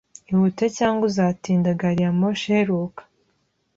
Ihute, cyangwa uzatinda gari ya moshi iheruka